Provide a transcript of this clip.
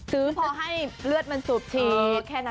ซื้อพอให้เลือดมันสูบฉีด